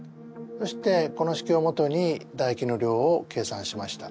そしてこの式をもとにだ液の量を計算しました。